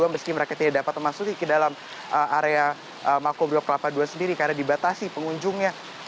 meski mereka tidak dapat memasuki ke dalam area mako blok kelapa ii sendiri karena dibatasi pengunjungnya